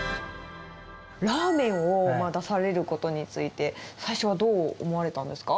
ラーメンを出されることについて、最初はどう思われたんですか？